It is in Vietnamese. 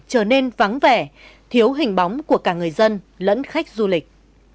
trở nên vắng vẻ thiếu hình bóng của cả người dân lẫn khách du lịch